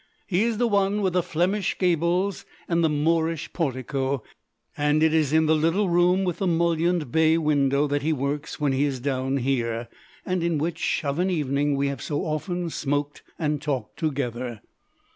His is the one with the Flemish gables and the Moorish portico, and it is in the little room with the mullioned bay window that he works when he is down here, and in which of an evening we have so often smoked and talked together.